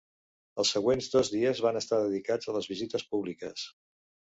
Els següents dos dies van estar dedicats a les visites públiques.